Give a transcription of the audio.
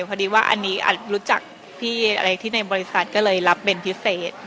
พอดีว่าอันนี้รู้จักพี่อะไรที่ในบริษัทก็เลยรับเป็นพิเศษ